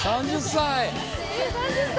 ３０ 歳！